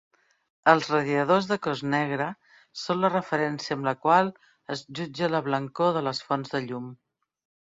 Els radiadors de cos negre són la referència amb la qual es jutja la blancor de les fonts de llum.